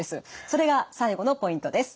それが最後のポイントです。